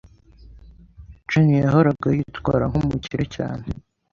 Jane yahoraga yitwara nkumukire cyane.